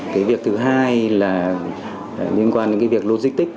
cái việc thứ hai là liên quan đến cái việc logistics